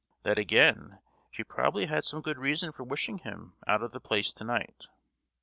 that, again, she probably had some good reason for wishing him out of the place to night.